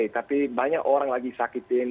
tapi banyak orang lagi sakitin